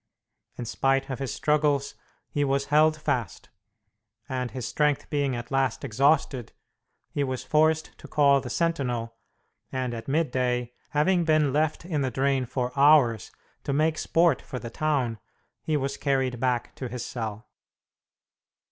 In spite of his struggles, he was held fast, and his strength being at last exhausted, he was forced to call the sentinel, and at midday, having been left in the drain for hours to make sport for the town, he was carried back to his cell.